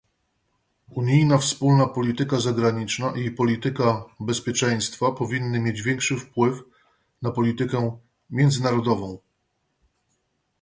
Unijna wspólna polityka zagraniczna i polityka bezpieczeństwa powinny mieć większy wpływ na politykę międzynarodową